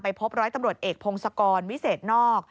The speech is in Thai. พบร้อยตำรวจเอกพงศกรวิเศษนอก